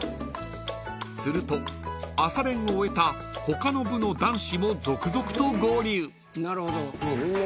［すると朝練を終えた他の部の男子も続々と合流］